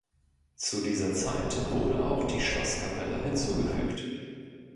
Zu dieser Zeit wurde auch die Schlosskapelle hinzugefügt.